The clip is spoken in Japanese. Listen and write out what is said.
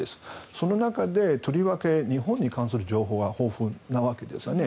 その中でとりわけ日本に関する情報が豊富なわけですよね。